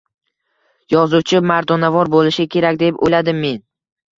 Yozuvchi mardonavor boʻlishi kerak, deb oʻyladim men